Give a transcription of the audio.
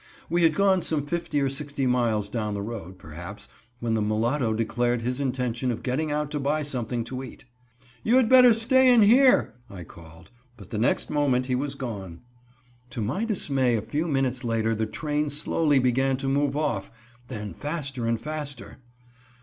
We had gone some fifty or sixty miles down the road, perhaps, when the mulatto declared his intention of getting out to buy something to eat. "You had better stay in here," I called, but the next moment he was gone. To my dismay a few minutes later the train slowly began to move off, then faster and faster.